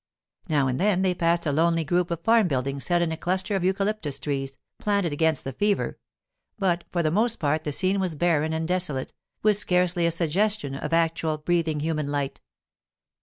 Now and then they passed a lonely group of farm buildings set in a cluster of eucalyptus trees, planted against the fever; but for the most part the scene was barren and desolate, with scarcely a suggestion of actual, breathing human light.